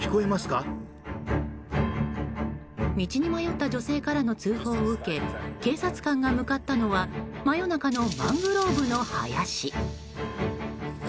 道に迷った女性からの通報を受け警察官が向かったのは真夜中のマングローブの林。